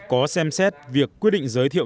có xem xét việc quyết định giới thiệu